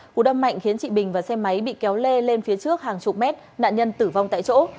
cú đâm mạnh khiến chị bình và xe máy bị kéo lê lên phía trước hàng chục mét nạn nhân tử vong tại chỗ